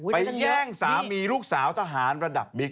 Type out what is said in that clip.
แย่งสามีลูกสาวทหารระดับบิ๊ก